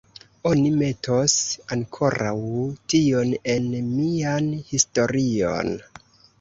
Oni metos ankoraŭ tion en mian historion.